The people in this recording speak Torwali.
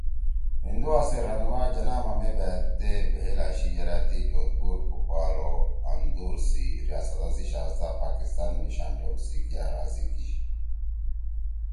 ہندوا سی رہنما جناح ما مےبأت تے بھئیل آشی یرأ تی جودھ پور، بھوپال او اندور سی ریاستا سی شاہزدا پاکستان مے شامل ہؤ سی کیا رضا کیشی